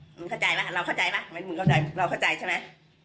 มึงเข้าใจไหมเราเข้าใจไหมมึงเข้าใจเราเข้าใจใช่ไหม